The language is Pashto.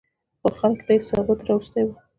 خو خلکو ته یې ثبات راوستی و